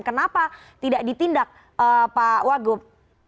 kenapa tidak ditindak pak wagub